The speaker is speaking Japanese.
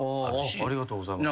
ありがとうございます。